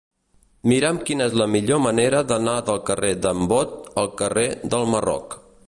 Mira'm quina és la millor manera d'anar del carrer d'en Bot al carrer del Marroc.